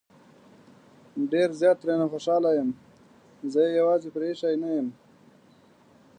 ډېر زيات ترې نه خوشحال يم زه يې يوازې پرېښی نه يم